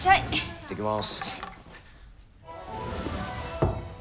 行ってきます。